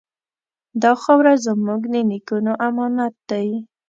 دا خاوره زموږ د نیکونو امانت دی.